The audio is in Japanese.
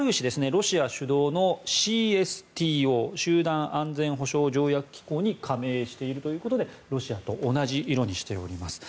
ロシア主導のＣＳＴＯ・集団安全保障条約機構に加盟しているということでロシアと同じ色にしています。